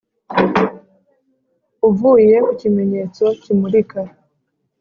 uvuye ku kimenyetso kimurika